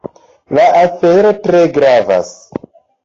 La afero tre gravas.